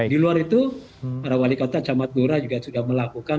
di luar itu para wali kota camat lurah juga sudah melakukan